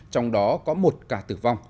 trong đó có một ca tử vong